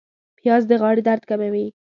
پیاز د غاړې درد کموي